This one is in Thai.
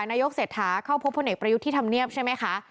นายกเศรษฐาเข้าพบพนักประยุทธิธรรมเนียมใช่ไหมคะ